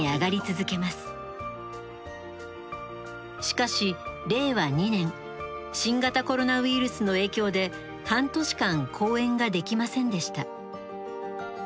しかし令和２年新型コロナウイルスの影響で半年間公演ができませんでした。